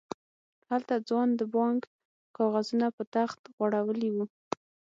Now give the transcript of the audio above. هلته ځوان د بانک کاغذونه په تخت غړولي وو.